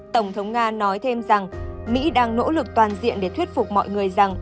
tổng thống nga nói thêm rằng mỹ đang nỗ lực toàn diện để thuyết phục mọi người rằng